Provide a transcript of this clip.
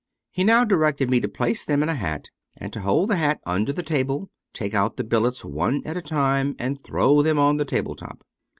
He now directed me to place them in a hat, and to hold the hat under the table, take out the billets one at a time, and throw them on the table top.